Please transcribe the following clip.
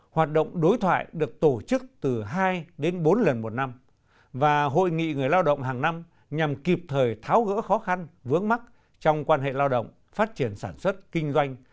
hoạt động đối thoại được tổ chức từ hai đến bốn lần một năm và hội nghị người lao động hàng năm nhằm kịp thời tháo gỡ khó khăn vướng mắt trong quan hệ lao động phát triển sản xuất kinh doanh